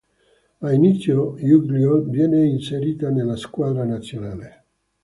A inizio luglio viene inserita nella squadra nazionale.